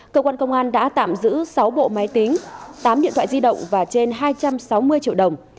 cơ quan công an đã tạm giữ sáu bộ máy tính tám điện thoại di động và trên hai trăm sáu mươi triệu đồng